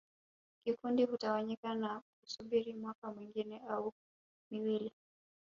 Kikundi hutawanyika na kusubiri mwaka mwingine au miwili